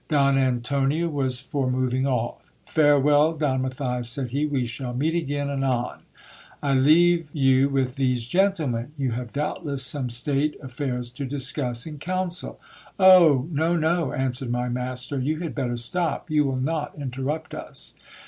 Don Antonio was for moving off. ll Farewell, Don Matthias^' said he, we shall meet again anon. I leave you with these gentlemen; you have, doubdess, some state affairs to discuss in council." ' Oh ! no, no, answered my master, "you had better stop ; you will not interrupt us.